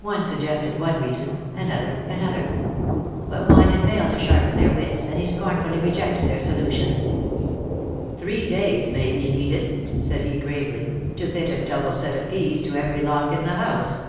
One suggested one reason ; another, another. But THE ACTRESS IN HIGH LIFE. 75 wine had failed to sharpen their wits, and he scorn fully rejected their solutions. " Three days may be needed," said he, gravely, " to fit a double set of keys to every lock in the house.